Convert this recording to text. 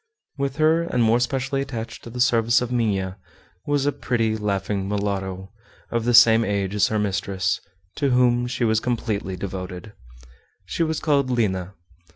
With her, and more specially attached to the service of Minha, was a pretty, laughing mulatto, of the same age as her mistress, to whom she was completely devoted. She was called Lina.